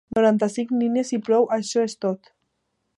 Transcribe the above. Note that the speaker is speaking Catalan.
Noranta-cinc línies i prou, això és tot.